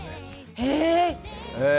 へえ！